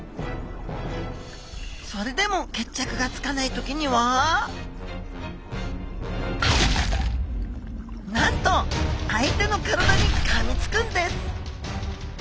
それでも決着がつかない時にはなんと相手の体にかみつくんです！